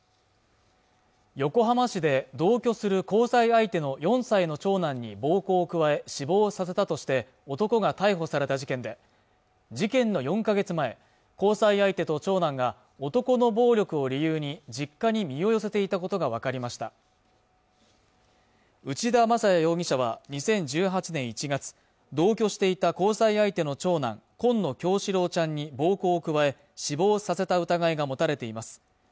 横浜市で同居する交際相手の４歳の長男に暴行を加え死亡させたとして男が逮捕された事件で事件の４か月前交際相手と長男が男の暴力を理由に実家に身を寄せていたことが分かりました内田正也容疑者は２０１８年１月同居していた交際相手の長男紺野叶志郎ちゃんに暴行を加え死亡させた疑いが持たれています